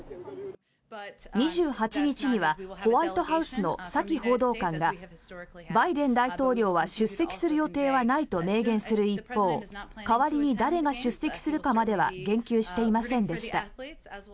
２８日にはホワイトハウスのサキ報道官がバイデン大統領は出席する予定はないと明言する一方代わりに誰が出席するかまでは言及していませんでした。